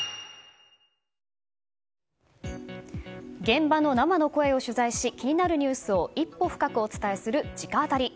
現場の生の声を取材し気になるニュースを一歩深くお伝えする直アタリ。